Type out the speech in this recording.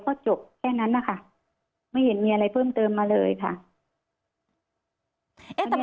ก็จบแค่นั้นนะคะไม่เห็นมีอะไรเพิ่มเติมมาเลยค่ะ